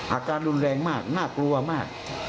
อาการรุนแรงมากน่ากลัวมาก